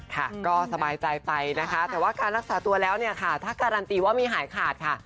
ค่ะก็สบายใจไปแต่ว่าการรักษาตัวแล้วถ้าการันติว่ามีหายขาดค่ะ